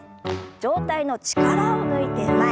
上体の力を抜いて前。